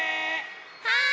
はい！